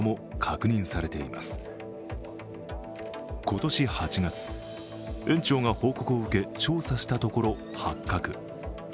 今年８月、園長が報告を受け、調査したところ発覚。